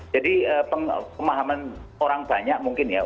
jadi pemahaman orang banyak mungkin ya